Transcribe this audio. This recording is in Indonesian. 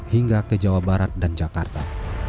hingga ke jawa barat dan jakarta